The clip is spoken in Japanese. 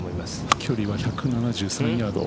距離は１７３ヤード。